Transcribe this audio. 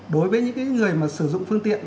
đối với những người mà sử dụng phương tiện